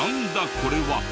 これは。